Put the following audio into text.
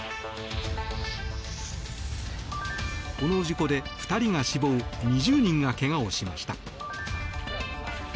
この事故で２人が死亡２０人がけがをしました。